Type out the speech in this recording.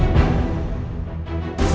tidak kita harus ke dapur